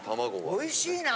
おいしいな。